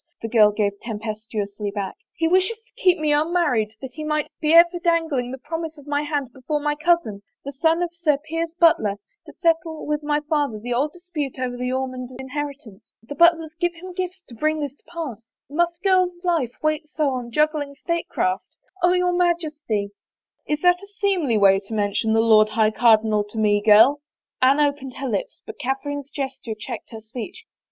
the girl gave tempestuously back. " He wishes to keep me tmmarried that he may be ever dangling the promise of 7 ' THE FAVOR OF KINGS my hand before my cousin, the son of Sir Piers Butler, to settle with my father the old dispute over the Ormond inheritance. The Butlers give him gifts to bring this to pass — must a girl's life wait so on juggling state craft? Oh, your Majesty —"" Is that a seemly way to mention the Lord High Cardinal to me, girl ?" Anne opened her lips but Cath erine's gesture checked her speech.